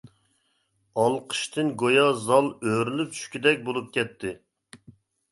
ئالقىشتىن گويا زال ئۆرۈلۈپ چۈشكۈدەك بولۇپ كەتتى.